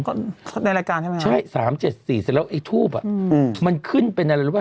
ก็ในรายการใช่ไหมครับใช่๓๗๔แล้วไอ้ทูปอ่ะมันขึ้นเป็นอะไรหรือเปล่า